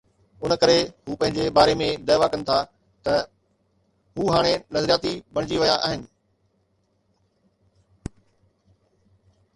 ان ڪري هو پنهنجي باري ۾ دعويٰ ڪن ٿا ته هو هاڻي نظرياتي بڻجي ويا آهن.